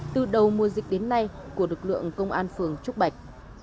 từ đầu mùa dịch đến nay của lực lượng công an phường trúc bạch